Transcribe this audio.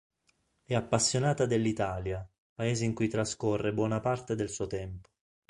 È appassionata dell'Italia, paese in cui trascorre buona parte del suo tempo.